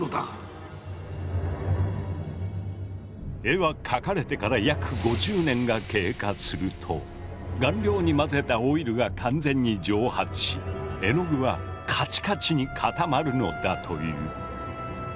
絵は描かれてから約５０年が経過すると顔料に混ぜたオイルが完全に蒸発し絵の具はカチカチに固まるのだという。